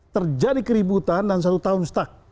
terjadi keributan dan satu tahun stuck